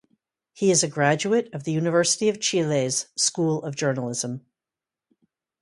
He is a graduate of the University of Chile's School of Journalism.